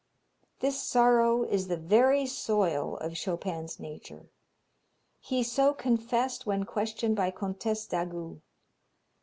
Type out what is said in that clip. This sorrow is the very soil of Chopin's nature. He so confessed when questioned by Comtesse d'Agoult.